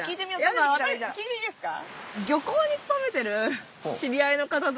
やっぱ分かる人に聞いていいですか？